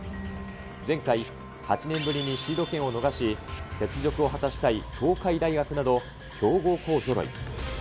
前回、８年ぶりにシード権を逃し、雪辱を果たしたい東海大学など、強豪校ぞろい。